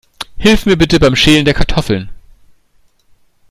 Hilf mir bitte beim Schälen der Kartoffeln.